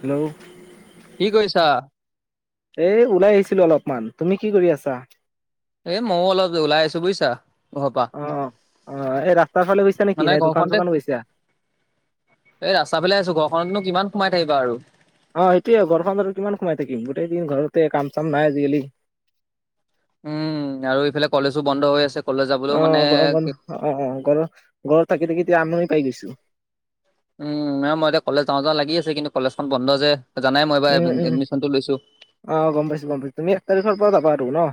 Hello! কি কৰিছা? এ ওলাই আহিছিলো অলপমান, তুমি কি কৰি আছা? এ ময়ও অলপ ওলাই আহিছো বুজিছা? ঘৰৰ পৰা অ অ, অ এই ৰাস্তাৰ ফালে গৈছা নেকি মানে নে দোকান - ঘৰখনতে চোকান গৈছা? এই ৰাস্তাৰ ফালে আহিছো ঘৰখনত নো কিমান সোমাই থাকিবা আৰু। অ সেইটোয়ে ঘৰখন আৰু কিমান সোমাই থাকিম, গোটেই দিন ঘৰতে কাম - চাম নাই আজিকালি উম আৰু এইফালে কলেজো বন্ধ হৈ আছে, কলেজ যাবলৈও মানে গৰম বন্ধ কে অ অ অ ঘৰত- ঘৰত থাকি- থাকি এতিয়া আমনি পাই গৈছো। উম মই এতিয়া কলেজ যাওঁ - যাওঁ লাগি আছে কিন্তু কলেজখন বন্ধ যে। জানাই মই এইবাৰ উম উম উম, এডমিশ্যনটো লৈছো। অ গম পাইছো গম পাইছো তুমি এক তাৰিখৰ পৰা যাবা আৰু ন?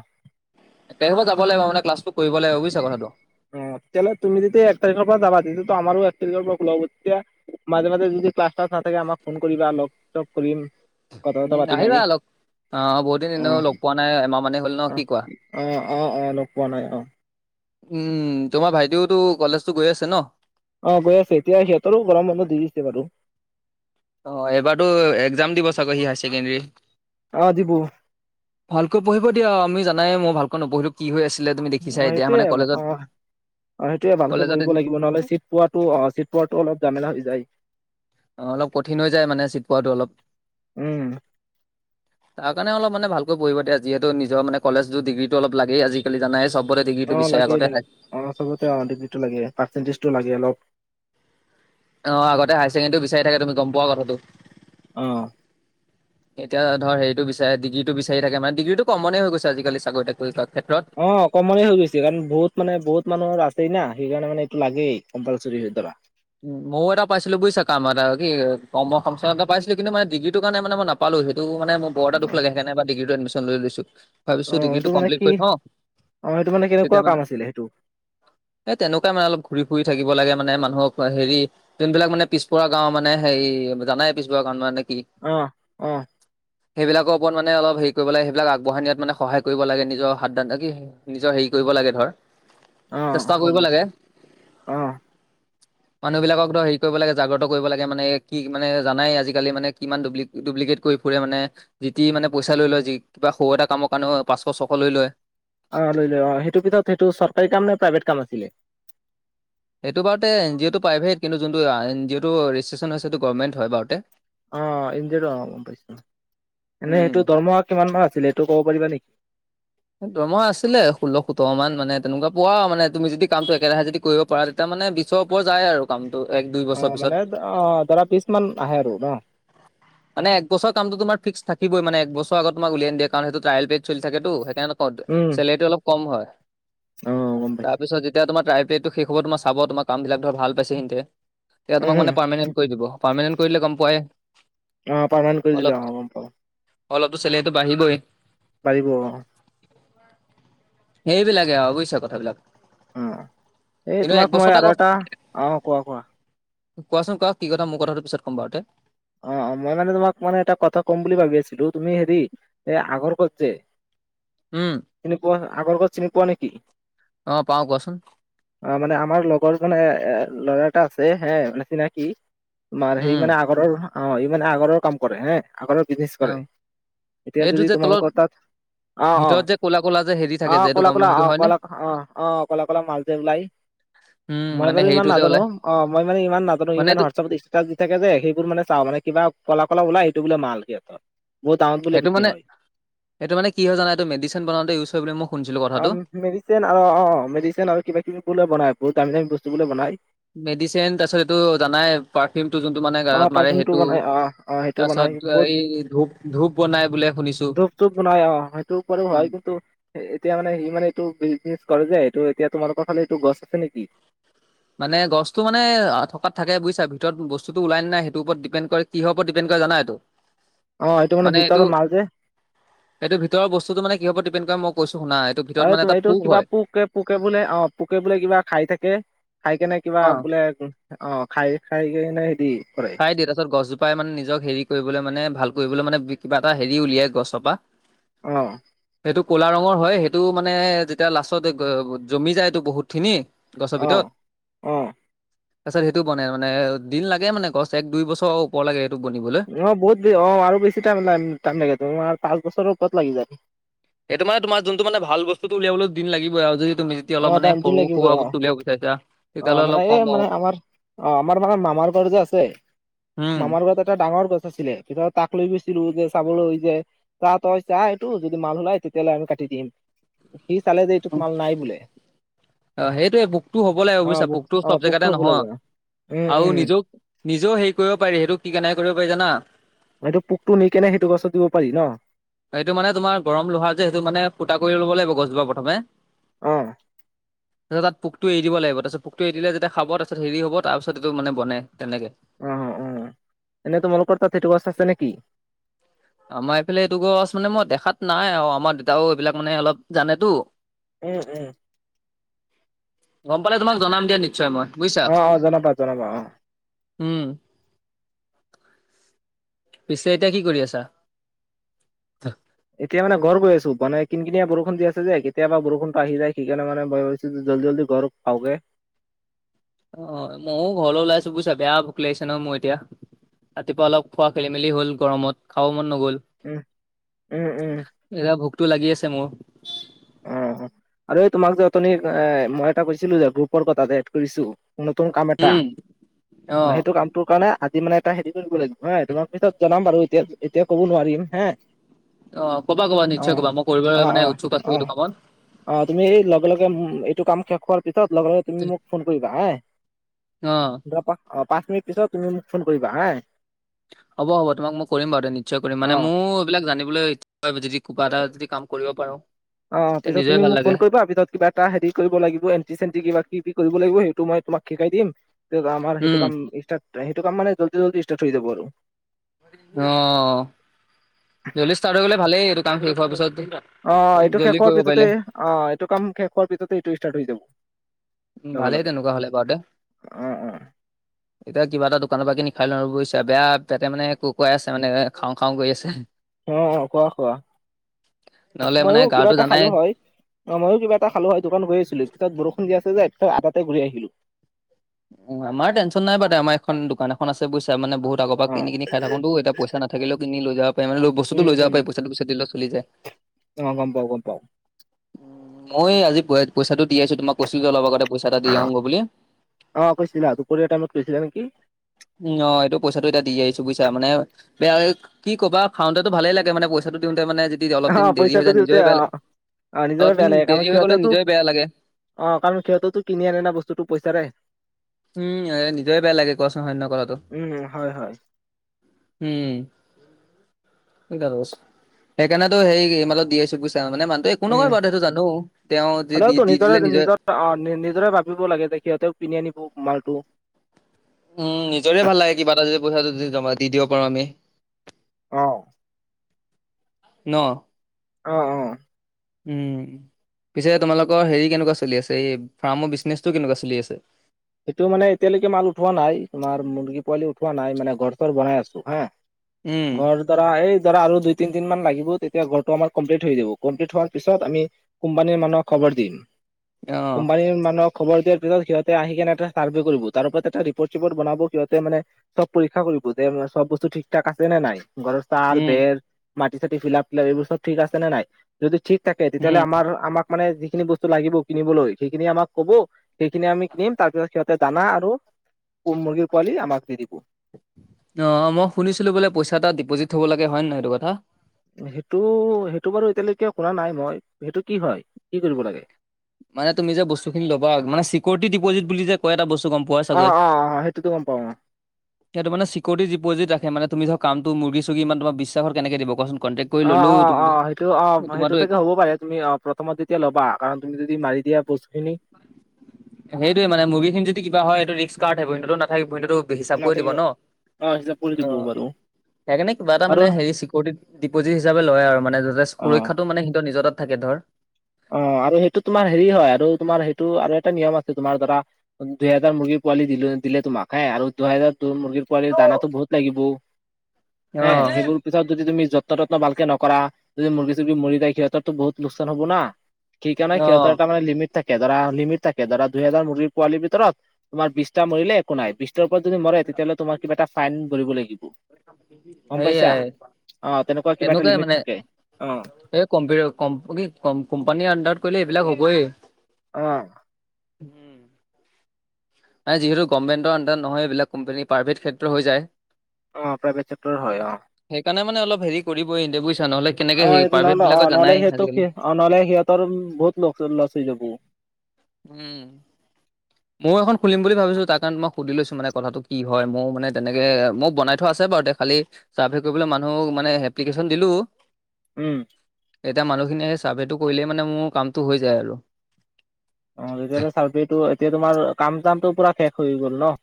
এক তাৰিখৰ পৰা যাব লাগিব মানে ক্লাছটো কৰিব লাগিব বুজিছা কথাটো। অ তেতিয়াহলে তুমি যেতিয়া এক তাৰিখৰ পৰা যাবা তেতিয়াটো আমাৰো এক তাৰিখৰ পৰা খোলা হব তেতিয়া মাজে- মাজে যদি ক্লাছ- শ্লাছ নাথাকে আমাক ফোন কৰিবা লগ - চগ কৰিম। কথা - চথা পাতিম আমি। আহ বহুত দিন অ এনেও লগ পোৱা নাই এমাহ মানে হ'ল ন অ কি কোৱা? অ অ অ লগ পোৱা নাই অ উম তোমাৰ ভাইটিওতো কলেজতো গৈ আছে ন? অ গৈ আছে এতিয়া সিহঁতৰ গৰম বন্ধ দিছে বাৰু। অ এইবাৰতো এক্সাম দিব চাগৈ সি হায়াৰ ছেকেণ্ডেৰী? অ দিবো। ভালকৈ পঢ়িব দিয়া আমি জানাই মই ভালকৈ নপঢ়িলো। কি হৈ আছিলে তুমি দেখিছা অ এতিয়া সেইটোৱে মানে কলেজত অ, অ সেইটোয়ে ভালকে কলেজত এদিন, পঢ়িব লাগিব নহলে চিট পোৱাটো অ চিট পোৱাতো অলপ জামেলা হৈ যায়। অ অলপ কঠিন হৈ যায় মানে চিট পোৱাটো অলপ। উম তাৰ কাৰণে অলপ মানে ভালকৈ পঢ়িব দিয়ে যিহেতু নিজৰ মানে কলেজো, ডিগ্ৰীটো অলপ লাগেই আজিকালি জানাই চব। বতে ডিগ্ৰিটো অ বিচাৰে লাগে আগতে লাগে হাই অ চবতে অধিপিটো লাগে, পাৰ্চেণ্টেজটো লাগে অলপ অ আগতে হায়াৰছেকেণ্ডৰী বিচাৰি থাকে তুমি গম পোৱা কথাটো। অ। [inaudible] এতিয়া ধৰ হেৰিটো বিচাৰে ডিগ্ৰীটো বিচাৰি থাকে মানে ডিগ্ৰিটো কমনে হৈ গৈছে আজিকালি চাকৰি - তাকৰি কৰা ক্ষেত্ৰত। অ কমনে হৈ গৈছে কাৰণ বহুত মানে বহুত মানুহৰ আছেই না সেইকাৰণে মানে এইটো লাগেই কম্পালচৰি ধৰা। উম ময়ও এটা পাইছিলো বুজিছা কাম এটা কি কৰ্ম সং এটা পাইছিলো কিন্তু মানে ডিগ্ৰীটো কাৰণে মানে মই নাপ পালো সেইটো মানে মই বৰ এটা দুখ লাগে সেইকাৰণে ডিগ্ৰিতো এডমীশন লৈ লৈছো। অ ভাবিছোঁ ডিগ্ৰীটো এইটো মানে কমপ্লিট কি কৰি থওঁ অ সেইটো মানে কেনেকুৱা তেতিয়া মানে কাম আছিলে সেইটো এ তেনেকুৱা মান অলপ ঘূৰি - ফুৰি থাকিব লাগে মানুহক পা হেৰি যোনবিলাক মানে পিছপৰা গাঁও মানে হেৰি জানাই পিছপৰা গাঁও মানে কি? অ অ। সেইবিলাকৰ ওপৰত মানে অলপ হেৰি কৰিব লাগে সেইবিলাক আগবঢ়াই নিয়াত মানে সহায় কৰিব লাগে, নিজৰ হাত - দাত কি নিজৰ হেৰি কৰিব লাগে ধৰ অ চেষ্টা হব কৰিব গৈছো। লাগে মানুহ বিলাকক দৰ হেৰি কৰিব লাগে জাগ্ৰত কৰিব লাগে মানে এই কি মানে জানাই আজিকালি মানে কিমান দুব্লি- দুব্লিকেট কৰি ফুৰে মানে যি টি মানে পইচা লৈ লয় যি কিবা সৰু এটা কামৰ কাৰণেও পাঁচশ, ছশ লৈ লয় অ, লৈ- লৈ অ, সেইটো পিছত সেইটো চৰকাৰী কাম নে প্ৰাইভেট কাম আছিলে? এইটো বাৰুতে এনজিঅটো প্ৰাইভেট কিন্তু যোনটো এণজিঅটো ৰেজিষ্ট্ৰেশচন হৈছে সেটো গভৰ্মেণ্ট হয় বাৰুতে। অ, এণজিঅটো অ, গম পাইছো [unintelligible] এনে উম সেইটো দৰমহা কিমান মান আছিল এইটো ক'ব পাৰিবা নেকি? দৰমহা আছিলে ষোল্ল সোতৰ মানে তেনেকোৱা পোৱা আৰু মানে তুমি যদি কামটো একেৰাহে যদি কৰিব পাৰা তাৰ মানে বিছৰ ওপৰ যায় আৰু। কামটো এক দুই অ, বছৰ পিছত। মানে অ, ধৰা পিছ মান আহে আৰু ন? [inaudible] মানে এক বছৰ কামটো তোমাৰ ফিক্স থাকিবই মানে একবছৰ আগত তোমাক উলিয়াই নিদিয়ে কাৰন সেইটো ট্ৰাইল বেক চলি থাকেটো সেত ক'ত উম চলেৰিটো অলপ কম হয় অ গম পাইছো তাৰপিছত যেত তিয়া তোমাৰ ট্ৰাই পেডটো শেষ হ'ব তোমাৰ চাব তোমাৰ কাম বিলাক ধৰা ভাল পাইছে হিনকে তেতিয়া উম তোমাক উম মানে পাৰমানেণ্ট কৰি দিব। পাৰ্মানেণ্ট কৰিলে গম পোৱাই অ, পৰ্মানেণ্ট কৰি দিলে অ, গম পাও। অলপটো চেলেৰিটো বাঢ়িবই। বাঢ়িব অ। সেইবিলাকে আউ বুইছা কথাবিলাক? উম, এই কিন্তু এক তোমাক মই বছৰতে আৰু এটা অ, কোৱা- কোৱা? কোৱাচোন কোৱা কি কথা মোৰ কথাটো কথাটো পিছত ক'ম বাৰুতে? অ', অ', মই মানে তোমাক মানে এটা কথা ক'ম বুলি ভাবি আছিলো তুমি হেৰি এ আগৰ গছ যে উম চিনি পোৱা আগৰ গছ চিনি পোৱা নেকি? অ পাওঁ কোৱাচোন অ, মানে আমাৰ লগৰজনে এ ল'ৰা এটা আছে হে মানে চিনাকি তোমাৰ সি উম মানে আগৰৰ অ, সি মানে আগৰৰ কাম কৰে হে আগৰৰ বিজনেছ অ কৰে এতিয়া সেইটো যদি যে তলত তোমালোকৰ তাত অ', অ', ভিতৰত যে ক'লা ক'লা যে হেৰি থাকে যে অ', এইটো ক'লা গম -ক'লা সেইটো অ, হয়নে? কলা অ', অ', ক'লা- ক'লা মাল যে ওলাই। উম মই মানে বাৰু ইমান হেৰিটো যে নাজানো ওলাই অ, মই মানে ইমান নাজানো ই মানে হোৱাটচ এপত ষ্টিছ ষ্টেটাছ দি থাকে যে সেইবোৰ মানে চাওঁ মানে কিবা ক'লা -ক'লা ওলাই সেইটো বোলে মাল সিহঁতৰ। বহুত দামত বোলে সেইটো বিক্ৰী মানে হয় -সেইটো মানে কি হয় জানা এইটো মেডিচিন বনাওঁতে ইউজ হয় বোলে মোক অ, মেডিচিন আৰু অ, মেডিচিন আৰু কিবা- কিবি বোলে বনাই বহুত দামী- দামী বস্তু বোলে বনায় মেডিচিন তাৰপিছত এইটো জানাই পাৰফিউমটো যোনটো মানে অ গাত মাৰে পাৰফিউমটো সেইটো। বনাই অ', অ', সেইট সিটো বনাই তাৰপিছত সি কত এই ধূপ ধূপ বনাই বোলে শুনিছো। ধূপ চুপ বনাই অহ, সেইটোৰ উপৰেও উম হয় কিন্তু এতিয়া মানে সি মানে এইটো বিজনেচ কৰে যে এইটো এতিয়া তোমালোকৰ ফালে এইটো গছ আছে নেকি? মানে গছটো মানে থকাত থাকে বুইছা ভিতৰত গছটো ওলাই নে নাই সেইটো ওপৰত ডিপেণ্ড কিহৰ ওপৰত ডিপেণ্ড কৰে জানা এইটো [inaudible] অ, এইটো মানে ভিতৰৰ মাল যে। এইটো ভিতৰৰ বস্তুটো মানে কিহৰ উপৰত ডিপেণ্ড কৰে মই কৈছো শুনা এইটো অ, ভিতৰত মানে এইটোত এটা -এইটো কিবা হয়। পোক কেত পোকে বোলে অ, পোকে বোলে কিবা খাই থাকে খাই কেনে কিবা অ বোলে অ, খাই -খাই কিনে হেৰি কৰে। খাই দিয়ে তাৰপাছত গছজোপাই মানে নিজক হেৰি কৰিবলৈ মানে ভাল কৰিবলৈ মানে কিবা এটা হেৰি উলিয়াই গছৰ পা [inaudible] অহ', সেইটো কোলা ৰঙৰ হয় সেইটো মানে যেতিয়া লাষ্টত জমি যায় এইটো বহুত খিনি গছৰ অ ভিতৰত অ তাৰপিছত সেইটো বনে মানে দিন লাগে মানে গছ এক, দুই বছৰ ওপৰ লাগে সেইটো বনিবলে। অ, বহুত ব অ, আৰু বেছি [unintelligible] টাইম লাগে আৰু পাঁচ বছৰত উপৰত লাগি যায়। এইটো মানে তোমাৰ যোনটো মানে ভাল বস্তুটো উলিয়াবলৈ দিন লাগিবই আৰু যদি তুমি সি অলপ অ মানে দাম দিন সৰু লাগিব সুৰা অ বস্তু উলিয়াব গুচাইছা। অ মানে এই মানে আমাৰ অ আমাৰ মানে মামাৰ ঘৰত যে আছে, উম মামাৰ ঘৰত এটা ডাঙৰ গছ আছিলে পিছত তাক লৈ গৈছিলো যে চাবলৈ যে তা তই চা এইটো যদি মাল ওলাই তেতিয়া হ'লে আমি কাটি দিম। সি চালে যে এইটোত মাল নাই বোলে। অ সেইটোয়ে পোকটো হ'ব লাগিব অ বুজিছা? পোকটো অ চব জেগাতে পোকটো হ'ব নহয় লাগে উম আৰু উম নিজেও নিজেও হেৰি কৰিব পাৰি সেইটো কি কেনেকে কৰিব পাৰি জানা? এইটো পোকটো নি কেনে সেইটো গছত দিব পাৰি ন। এইটো মানে তোমাৰ গৰম লোহা যে সেইটো মানে ফুটা কৰি ল'ব লাগিব গছজোপা প্ৰথমে। অ। তাৰ পিছত পোকটো এৰি দিব লাগিব তাৰপিছত পোকটো এৰি দিলে যেতিয়া খাব তাৰপিছত হেৰি হ'ব তাৰ পিছত এইটো বনে তেনেকে। অ অ, এনে তোমালোকৰ তাত সেইটো গছ আছে নেকি? আমাৰ এইফালে এইটো গছ মানে মই দেখাত নাই আৰু আমাৰ দেউতাও এইবিলাক মানে অলপ জানেতো। উম উম। গম পালে তোমাক জনাম দিয়া নিশ্চয় মই। বুজিছা অ অ জনাবা জনাবা অ। উম। পিছে এতিয়া কি কৰি আছা? এতিয়া মানে ঘৰ গৈ আছো মানে কিন কিনিয়া বৰষুণ দি আছে যে কেতিয়া‌ বৰষুণটো আহি যায় সেইকাৰণে ভাবিছোঁ যে জল্দি - জল্দি ঘৰ আউকে অ ময়ো ঘৰলৈ ওলাইছো বুজিছা বেয়া ভোক লাগিছে ন মোৰ এতিয়া। ৰাতিপুৱা অলপ খোৱা খেলি - মেলি হ'ল গৰমত খাব মন নগ'ল। উম, উম উম। এইয়া ভোকটো লাগি আছে মোৰ। অ আৰু এই তোমাক যে উঠনি এ মই এটা কৈছিলো যে গ্ৰুপৰ কথাটো এড কৰিছোঁ। নতুন কাম এটা, উম অ সেইটো কামটোৰ কাৰণে আজি মানে এটা হেৰি কৰিব লাগিব। হয়, তোমাক পিছত জনাম বাৰু এতিয়া এতিয়া ক'ব নোৱাৰিম হে। অ' ক'বা - ক'বা অ নিশ্চয় ক'বা মই কৰিবলৈ অ অ মানে উৎসুক আছো অ এইটো কামত। অ' তুমি এই লগে - লগে উম এইটো কাম শেষ হোৱাৰ পিছত লগে - লগে তুমি মোক ফোন কৰিবা হাই, অ' যোৱা পাঁচ অ পাঁচ মিনিট পিছত তুমি মোক ফোন কৰিবা হাই। হ'ব হ'ব তোমাক মই কৰিম বাৰু দে নিশ্চয় কৰিম অ মানে মোৰ বিলাক জানিবলৈ যদি কিবা এটা যদি কিবা এটা কাম কৰিব পাৰোঁ। অ পিছত তুমি মোক ফোন কৰিবা পিছত কিবা এটা হেৰি কৰিব লাগিব এণ্টি - চেন্টি কিবা - কিবি কৰিব লাগিব সেইটো মই তোমাক শিকাই দিম। ত আমাৰ সেইটো উম কাম ষ্টাট‍‌ সেইটো কাম মানে জল্দি - জল্দি ষ্টাৰ্ট হৈ যাব আৰু। হ। জল্দি ষ্টাৰ্ট হ'লেই এইটো শেষ হোৱাৰ পিছত অ' এইটো শেষ জল্দি হোৱাৰ কৰিব পিছতে পাৰিলে অ'এইটো কাম শেষ হোৱাৰ পিছতে এইটো ষ্টাৰ্ট হৈ যাব। উম, লগে ভালেই লগে তেনেকুৱা হ'লে বাৰুতে। অ অ এতিয়া কিবা এটা দোকানৰ পৰা কিনি খুৱাই লও আৰু বুইছা। বেয়া পেতে মানে কুৰকুৰাই আছে মানে খাও- খাও কৰি আছে। অ' খোৱা - খোৱা, নহ'লে মানে ময়ো কিবা গাটো এটা খালো জানাই হয়। অ' ময়ো কিবা এটা খালোৱে হয় দোকান গৈ আছিলো যে পিছ বৰষুণ দি আছে যে আধাতে ঘূৰি আহিলো। উম আমাৰ টেনশ্যন নাই বাৰু দে, আমাৰ এখন দোকানখন আছে বুইছা মানে বহুত আগৰ পৰা অ কিনি - কিনি খাই থাকোতো এতিয়া পইচা নাথাকিলে কিনি লৈ যাব পাৰে মানে উম বস্তুটো লৈ উম যাব পাৰি, পইচাটো পিছত দিলেও চলি যায়। অ' গম পাও, গম পাও। মই আজি পই পইচাটো দি আছো তোমাক কৈছো যে অলপ আগতে পইচা এটা দি হ, আহোগৈ বুলি অ' কৈছিলা দুপৰীয়া টাইমত কৈছিলা নেকি? উম অ' এইটো পইচাটো এয়া দি আহিছো বুইছা মানে বেয়া কি ক'বা খাওতেতো ভালে লাগে মানে পইচাটো দিওতে মানে যদি অ অলপ দিন দেৰি হৈ পইচাটো যায় দিওঁতে নিজৰে অ বেয়া লা অ নিজৰে অলপ বেয়া দিন লাগে কাৰণ দেৰি হৈ গলে সিহঁতেতো নিজৰে বেয়া লাগে। অ' কাৰণ সিহঁততো কিনি আনে না বস্তুটো পইচাৰে। উম, নিজৰে বেয়া লাগে কোৱাচোন হয় নহয় কথাটো? উম উম হয় হয়। হুম। [unintelligible] সেইকাৰণেতো হেৰি এই মালত দি আছে পইছা মানে মানুহটো এই কোনো উম [unintelligible] জানো তেওঁ যে দি হ'লেওতো দিলে নিজৰে নিজৰ অ নিজৰে ভাবিব লাগে যে সিহঁতেও কিনি আনিব মালটো উম, নিজৰে ভাল লাগে কিবা এটা যদি পইচাটো দি দিব পাৰো আমি। অ। ন। অ অ। উম, পিছে তোমালোকৰ হেৰি কেনেকুৱা চলি আছে এই ফাৰ্মৰ বিজনেচটো কেনেকুৱা চলি আছে। সেইটো মানে এতিয়ালৈকে মাল উঠোৱা নাই, তোমাৰ মুৰ্গী পোৱালি উঠোৱা নাই মানে ঘৰ চৰ বনাই আছো হা। উম, ঘৰ ধৰা এই ধৰা আৰু দুই তিনি দিন মান লাগিব। তেতিয়া ঘৰটো আমাৰ কমপ্লিট হৈ দিব কমপ্লিট হোৱাৰ পিছত আমি কোম্পানীৰ মানুহক খবৰ দিম। অ', কোম্পানীৰ মানুহক খবৰ দিয়াৰ পিছত সিহঁতে আহি কেনে এটা চাৰ্ভে কৰিব তাৰ ওপৰত এটা ৰিপৰ্ট-চিপৰ্ট বনাব সিহঁতে মানে চব পৰীক্ষা কৰিব যে চব বস্তু ঠিক ঠাক আছে নে নাই। ঘৰৰ তাল, উম, বেৰ, মাটি-চাটি ফিলাপ, ফিলাপ এইবোৰ চব ঠিক আছে নে নাই, যদি ঠিক থাকে তেতিয়াহ'লে উম। আমাৰ আমাক মানে যিখিনি বস্তু লাগিব কিনিবলৈ, সেইখিনি আমাক ক'ব সেইখিনি আমি কিনিম তাৰপিছত সিহঁতে দানা আৰু মুৰ্গীৰ পোৱালি আমাক দি দিব। অ মই শুনিছিলো বোলে পইচা এটা ডিপজট হ'ব লাগে হয় নহয় এইটো কথা? সেইটো, সেইটো বাৰু এতিয়ালৈকে কৰা নাই মই সেইটো কি হয় কি কৰিব লাগে? মানে তুমি যে বস্তু খিনি লবা মানে চিকিউৰিটি ডিপজিট বুলি যে কয় এটা বস্তু গম পোৱাই অ চাগৈ? অ অ সেইটোতো গম পাও অ। সেইটো মানে চিকিৰতি ডিপজিত ৰাখে তুমি ধৰা কামটো মুৰ্গী সুৰ্গী মানে তোমাক বিশ্বাস কেনেকে দিব কোৱা চোন কনতেক অ অ অ সেইটো অ সেইটো থাকিলে হ'ব পাৰে তুমি অ প্ৰ- থমত যেতিয়া ল'বা কাৰণ তুমি যদি মাৰি দিয়া বস্তুখিনি। সেইটোৱে মানে মুৰ্গী খিনি যদি কিবা হয় এইটো ৰিস্ক কাৰ থাকিব সিহঁতৰ তো নাথাকিবই ন টো হিচাপ কৰি দিব নাথাকিব ন। হিচাপ কৰি দিব বাৰু। সেইকাৰে কিবা এটা আৰু মানে হেৰি চিকৰিটিত ডিপজিট হিচাপে লয় আৰু মানে যাতে অ সুৰক্ষাটো মানে সিহঁতৰ নিজৰ তাত থাকে ধৰ। অ আৰু সেইটো তোমাৰ হেৰি হয় আৰু তোমাৰ সেইটো আৰু এটা নিয়ম আছে তোমাৰ ধৰা দুহেজাৰ মুৰ্গী পোৱালি দিলো, দিলে তোমাক হে আৰু দুহেজাৰ টো মুৰ্গীৰ পোৱালীৰ দানাটো বহুত লাগিব হে অ', সেইবোৰ পিছত যদি তুমি যত্ন তত্ন ভালকে নকৰা, যদি মুৰ্গী চুৰ্গী মৰি যায় সিহঁতৰো বহু লোকচান হ'ব না। সেই কাৰণে অ', সিহঁতৰ এটা মানে লিমিট থাকে ধৰা লিমিট থাকে ধৰা দুইেজাৰ মুৰ্গী পোৱালিৰ ভিতৰত তোমাৰ বিছটা মৰিলে একো নাই। বিছ ত ওপৰত যদি মৰে তেতিয়াহলে তোমাৰ কিবা এটা ফাইন ভৰিব লাগিব- গম পাইছা, সেইয়াই অ তেনেকুৱা কিবা এটা তেনেকুৱাই লিমিট মানে থাকে, অ। এই কম্পিতা কম্প কি কম কোম্পানীৰ আণ্ডাৰত কৰিলে এইবিলাক হ'বয়েই। অ। উহু। যিহেতু গভমেণ্ট আণ্ডাৰত নহয় এইবিলাক কোম্পানীয়ে প্ৰাইভেট ক্ষেত্ৰত হৈ যায়। অ প্ৰাইভেট চেক্টৰ হয় অ। সেইকাৰণে মানে অল হেৰি কৰিবই ইন্দে বুইছা নহ'লে কেনেকে অ হেৰি প্ৰাইভেট নহ বিলাকত নহলে জানাই সেটো আজিকালি। সেই অ নহলে সিহঁতৰ বহুত লকছ লছ হৈ যাব। উম। ময়ো এখন খুলিম বুলি ভাবিছোঁ তাৰ কাৰণে মই সুধি লৈছো মানে কথাটো কি হয় ময়ো মানে তেনেকে মোৰ বনাই থোৱা আছে বাৰু তে খালী চাৰ্ভে কৰিবলৈ মানুহক মানে এপ্লিকেশ্যন দিলো। উম। এতিয়া মানুহখিনিয়ে সেই চাৰ্ভেটো কৰিলেই মানে মোৰ কামটো হৈ যায় আৰু। অ তেতিয়াটো চাৰ্ভেটো এতিয়া তোমাৰ কাম চামটো পুৰা শেষ হৈ গ'ল ন?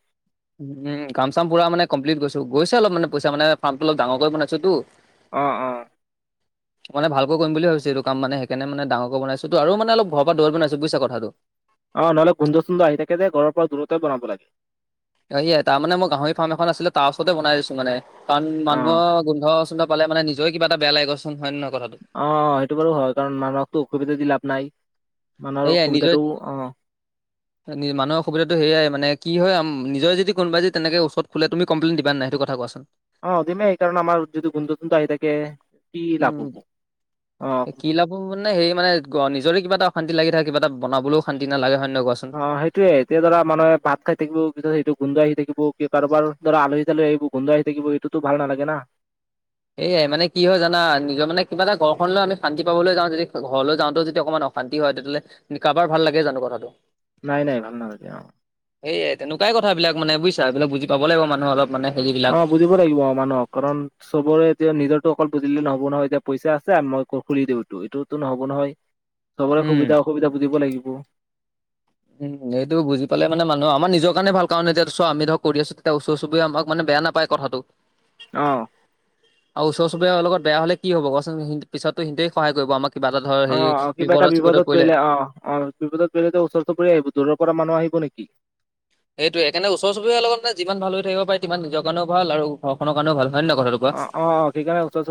উম কাম চাম পুৰা মানে কমপ্লিট কৰিছোঁ গৈছে অলপ মানে নে পইচা মানে ফাৰ্মটো অলপ ডাঙৰ কৰি বনাইছোঁ তো। অ অ। [unintelligible] মান ভালকৈ কৰিম বুলি ভাবিছোঁ এইটো কাম মানে সেই কাৰণে ডাঙৰকে বনাইছো তো আৰু মানে অলপ ঘৰৰ পৰা দূৰত বনায়ছো বুইছা কথাটো? অ নহলে গোন্ধ - চুন্দ আহি থাকে যে ঘৰৰ পৰা দূৰতে বনাব লাগে। অ সি এ তাৰ মানে মই গাহৰি ফাৰ্ম এখন আছিলে তাৰ ওচৰতে বনাই দিছো মানে। কাৰণ অ মানুহৰ গোন্ধ - চোন্ধ পালে মানে নিজৰেও কিবা এটা বেয়া লাগে চোন হয় নে নহয় কথাটো? অ অ সেইটো বাৰু হয় কাৰণ মানুহকতো অসুবিধা দি লাভ নাই, মানুহৰ অসুবিধাটো অ। [unintelligible] অ নি মানুহ অসুবিধাটো সেয়াই মানে কি হয় নিজৰ যদি কোনোবা যদি যে তেনেকে ওচৰত খোলে তুমি কমপ্লেইন দিবা নাই সেইটো কথা কোৱাচোন? অ দিমেই কাৰণ আমাৰ যদি গোন্ধ - চোন্ধ আহি থাকে। কি লাভ উম, হ'ব অ এ কি লাভ মোৰ মানে হেৰি মানে গ নিজৰে কিবা এটা অশান্তি লাগি থাকে কিবা এটা বনাবলৈও শান্তি নালাগে হয় নহয় ক চো অ সেইটোয়ে এতিয়া ধৰা মানুহে ধৰা ভাত খাই থাকিব পিছত সিটো গোন্ধ আহি থাকিব, কি কাৰোবাৰ ধৰা আলহী - তালহী আহিব গোন্ধ আহি থাকিব এইটোটো ভাল নালাগে না। এইয়াই মানে কি হয় জানা নিজৰ মানে কিবা এটা ঘৰখন লৈ আমি শান্তি পাবলৈ যাওঁ যদি ঘৰলৈ যাওঁটো যদি অকণমান অ অশান্তি হয় তেতিয়াহ'লে কাৰোবাৰ ভাল লাগে জানো কথাটো? নাই নাই ভাল নালাগে অ। সেয়াই তেনেকুৱাই কথাবিলাক মানে বুজিছা? এইবিলাক বুজি পাব লাগিব মানুহে অলপ মানে হেৰিবিলাক ব লাগিব মানুহক কাৰণ চবৰে এতিয়া নিজৰ ত অকল বুজিলে নহব নহয় এতিয়া পইচা আছে আৰু মই খুলি দিওঁটো এইটোটো নহ'ব নহয়? চবৰে উম। সুবিধা - অসুবিধা বুজিব লাগিব‌। ইনেইটো বুজি পালে মানে‌‌ মানুহৰ আমাৰ নিজৰ কাৰণে ভাল কাৰণ এতিয়া চোৱা আমি ধৰক কৰি আছো এতিয়া ওচৰ- চুবুৰীয়া আমাক মানে বেয়া না পাই কথাটো। অ। আৰু ওচৰ- চুবুৰিয়াৰ লগত বেয়া হলে কি হব কোৱাচোন সিহঁত পিছততো সিহঁতে সহায় কৰিব আমাক কিবা এটা ধৰ অ হেৰি অ কিবা এটা চিপদত বিপদত পৰিলে, অ অ বিপদত তলেটো ওচৰ - চুবুৰীয়া আহিব দূৰৰ পৰা মানুহ আহিব নেকি? সেইটোৱেই কাৰনে ওচৰ - চুবুৰিয়াৰ লগত মানে যিমান ভাল হৈ থাকিব পাৰি সিমান নিজৰ কাৰণেও ভাল আৰু ঘৰখনৰ কাৰণেও ভাল। হয় নে নহয় কথাটো কোৱা? অ অ অ সেইকাৰণে ওচৰ - চু